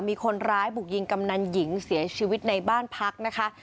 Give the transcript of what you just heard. มีคนร้ายบุกยิงกำนันหญิงเสียชีวิตในบ้านพักนะคะ